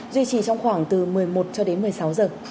duy trì trong khoảng từ một mươi một cho đến một mươi sáu giờ